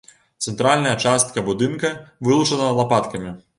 Цэнтральная частка будынка вылучана лапаткамі.